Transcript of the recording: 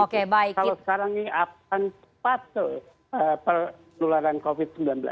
kalau sekarang ini akan cepat penularan covid sembilan belas